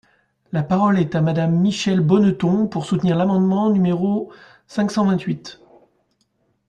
La parole est à Madame Michèle Bonneton, pour soutenir l’amendement numéro cinq cent vingt-huit.